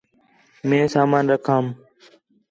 مئے سامان رکھام